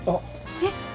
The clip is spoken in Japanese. えっ。